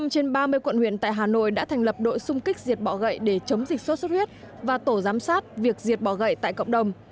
một mươi trên ba mươi quận huyện tại hà nội đã thành lập đội xung kích diệt bọ gậy để chống dịch sốt xuất huyết và tổ giám sát việc diệt bỏ gậy tại cộng đồng